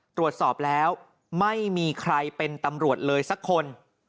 ตรวจสอบแล้วไม่มีใครเป็นตำรวจเลยสักคน